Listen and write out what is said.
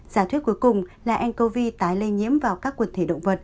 giả thuyết cuối cùng là ncov tái lây nhiễm vào các quần thể đồng